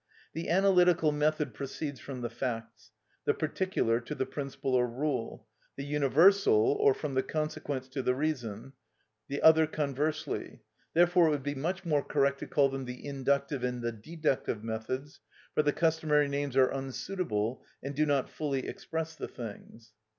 The analytical method proceeds from the facts; the particular, to the principle or rule; the universal, or from the consequents to the reasons; the other conversely. Therefore it would be much more correct to call them the inductive and the deductive methods, for the customary names are unsuitable and do not fully express the things.